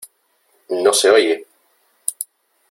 ¡No se oye!